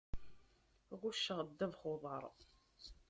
Ɣucceɣ ddabex n uḍaṛ.